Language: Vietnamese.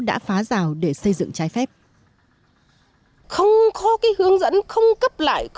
đã phá rào để xây dựng trái phép